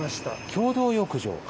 共同浴場？